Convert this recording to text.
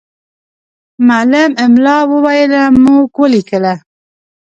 معلم املا وویله، موږ ولیکله.